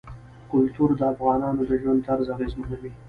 کلتور د افغانانو د ژوند طرز اغېزمنوي.